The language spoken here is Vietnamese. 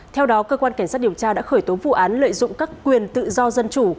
theo đó cơ quan cảnh sát điều tra đã khởi tố vụ án lợi dụng các quyền tự do dân chủ